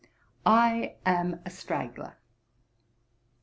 I am a straggler.